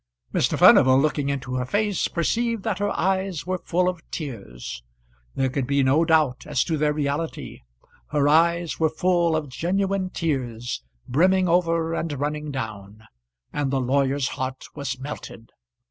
Mr. Furnival, looking into her face, perceived that her eyes were full of tears. There could be no doubt as to their reality. Her eyes were full of genuine tears, brimming over and running down; and the lawyer's heart was melted.